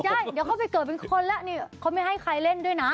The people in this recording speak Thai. ใช่เดี๋ยวเขาไปเกิดเป็นคนแล้วนี่เขาไม่ให้ใครเล่นด้วยนะ